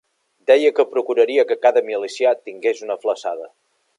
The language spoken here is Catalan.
Deia que procuraria que «cada milicià tingués una flassada».